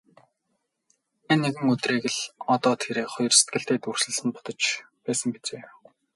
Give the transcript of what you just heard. Энэ нэгэн өдрийг л одоо тэр хоёр сэтгэлдээ дүрслэн бодож байсан биз ээ.